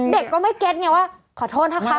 เด็กก็ไม่เก็ตว่าขอโทษนะคะผมยาว